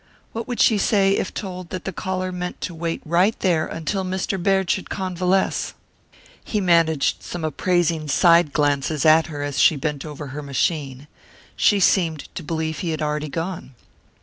What would she say if told that the caller meant to wait right there until Mr. Baird should convalesce? He managed some appraising side glances at her as she bent over her machine. She seemed to believe he had already gone.